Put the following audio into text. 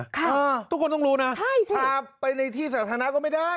ค่ะใช่สิทุกคนต้องรู้นะพาไปในที่ศาสนาก็ไม่ได้